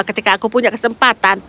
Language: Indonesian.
ketika aku punya kesempatan